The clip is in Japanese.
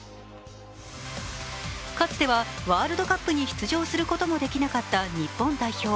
かつてはワールドカップに出場することもできなかった日本代表。